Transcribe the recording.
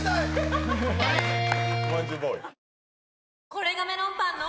これがメロンパンの！